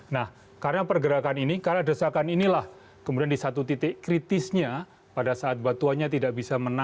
nah karena pergerakan ini karena desakan inilah kemudian di satu titik kritisnya pada saat batuannya tidak bisa menang